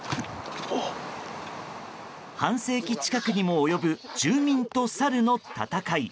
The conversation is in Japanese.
半世紀近くにも及ぶ住民とサルの戦い。